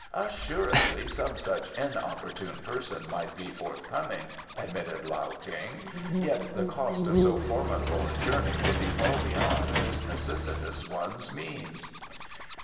"Assuredly some such inopportune person might be forthcoming," admitted Lao Ting. "Yet the cost of so formidable a journey would be far beyond this necessitous one's means."